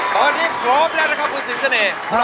ตอนนี้พร้อมแล้วนะครับคุณสิงเสน่ห์